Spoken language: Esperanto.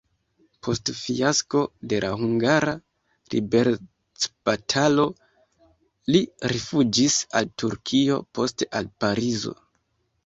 Post fiasko de la hungara liberecbatalo li rifuĝis al Turkio, poste al Parizo.